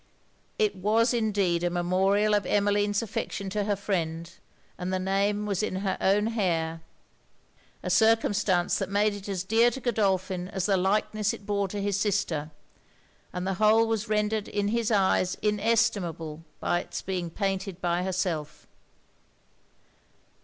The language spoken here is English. It was indeed a memorial of Emmeline's affection to her friend; and the name was in her own hair; a circumstance that made it as dear to Godolphin as the likeness it bore to his sister: and the whole was rendered in his eyes inestimable, by it's being painted by herself.